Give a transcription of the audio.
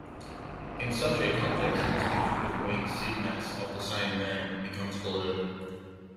In such a context the distinction between siddhas of the same name becomes blurred.